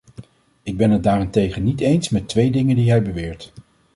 Ik ben het daarentegen niet eens met twee dingen die hij beweert.